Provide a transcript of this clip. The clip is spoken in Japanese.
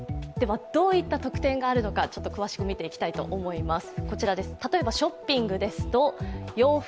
どういった特典があるのか詳しく見ていきたいと思います。